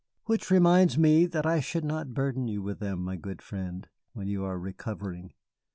"Which reminds me that I should not burden you with them, my good friend, when you are recovering.